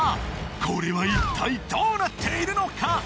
これは一体どうなっているのか！？